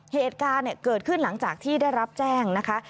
เหตุการณ์เกิดขึ้นหลังจากที่ได้รับแจ้งนะคะ